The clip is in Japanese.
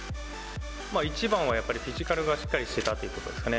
一番はやっぱりフィジカルがしっかりしてたということですかね。